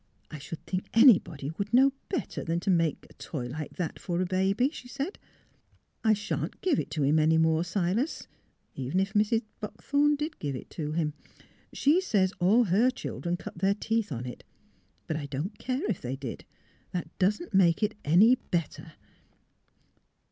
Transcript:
*' I should think anybody would know better 345 346 THE HEAET OF PHILURA than to make a toy like that for a baby," she said. '* I sha'n't let him have it any more, Silas, — if Mrs. Buckthorn did give it to him. She says all her children cut their teeth on it. But I don't care if they did. That doesn't make it any better."